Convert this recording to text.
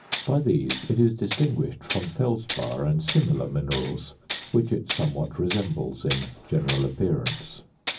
By these it is distinguished from felspar and similar minerals, which it somewhat resembles in general appearance.